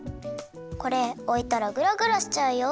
これおいたらグラグラしちゃうよ。